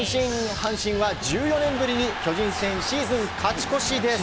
阪神は１４年ぶりに巨人戦シーズン勝ち越しです。